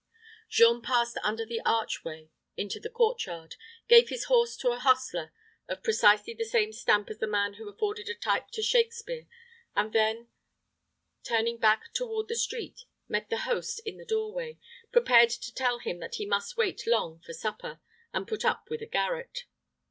Jean passed under the archway into the court yard, gave his horse to an hostler of precisely the same stamp as the man who afforded a type to Shakspeare, and then, turning back toward the street, met the host in the doorway, prepared to tell him that he must wait long for supper, and put up with a garret.